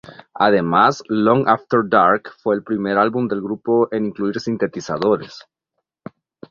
Además, "Long After Dark" fue el primer álbum del grupo en incluir sintetizadores.